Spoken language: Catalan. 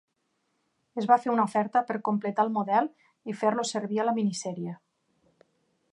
Es va fer una oferta per completar el model i fer-lo servir a la minisèrie.